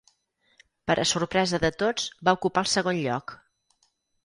Per a sorpresa de tots va ocupar el segon lloc.